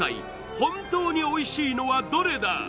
本当においしいのはどれだ？